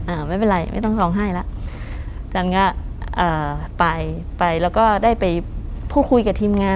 อ่าไม่เป็นไรไม่ต้องร้องไห้แล้วจันก็เอ่อไปไปแล้วก็ได้ไปพูดคุยกับทีมงาน